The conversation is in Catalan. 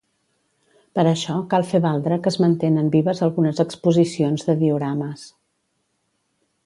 Per això cal fer valdre que es mantenen vives algunes exposicions de diorames.